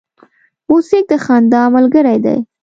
موزیک د خندا ملګری دی.